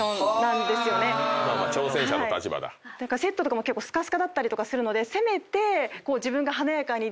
セットとかも結構すかすかだったりとかするので。